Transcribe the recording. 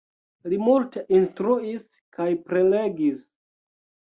Li multe instruis kaj prelegis.